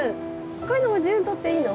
こういうのも自由にとっていいの？